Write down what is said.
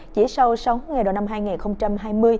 chỉ sau sáu ngày đầu năm hai nghìn hai mươi